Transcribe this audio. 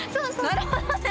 なるほどね。